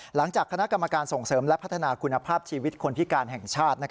หลังจากคณะกรรมการส่งเสริมและพัฒนาคุณภาพชีวิตคนพิการแห่งชาติ